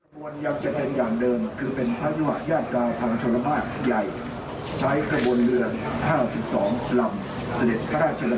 ส่งพระราชสบดีที่๑๒นาทีครับ